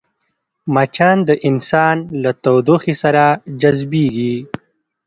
مچان د انسان له تودوخې سره جذبېږي